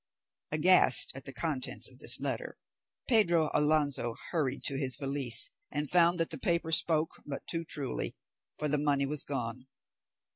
Aghast at the contents of this letter, Pedro Alonso hurried to his valise, and found that the paper spoke but too truly, for the money was gone.